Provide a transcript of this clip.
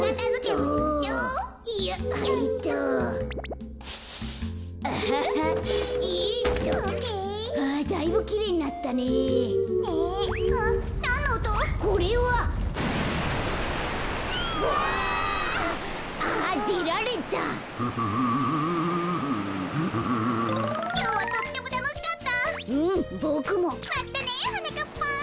まったねはなかっぱん。